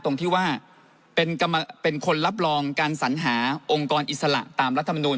ตรงที่ว่าเป็นคนรับรองการสัญหาองค์กรอิสระตามรัฐมนุน